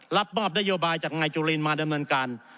รับมอบนโยบายจากนายจุลินมาดำเนินการ